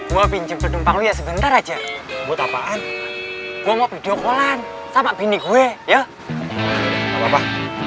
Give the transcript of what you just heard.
gue pinjem pendumpang sebentar aja gue mau video call an sama bini gue ya